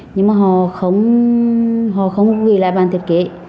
nhưng mà họ không gửi lại bản thiết kế